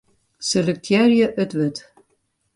Selektearje it wurd.